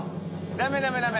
ダメダメダメ！